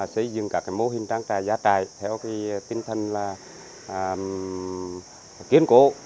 xây dựng các mô hình trang trại gia trại theo tinh thần kiến cổ